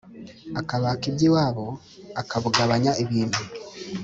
Akabaka iby'iwabo akubaganya ibintu